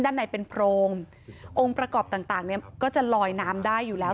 ด้านในเป็นโพรงองค์ประกอบต่างต่างเนี้ยก็จะลอยน้ำได้อยู่แล้ว